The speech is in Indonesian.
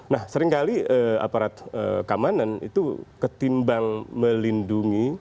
nah seringkali aparat keamanan itu ketimbang melindungi